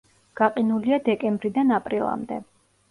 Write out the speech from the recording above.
გაყინულია დეკემბრიდან აპრილამდე.